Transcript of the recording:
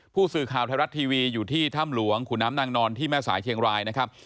ผู้สื่อข่าวไทยรัฐทีวีอยู่ที่ถ้ำหลวงขุนน้ำนางนอนที่แม่สายเชียงรายนะครับ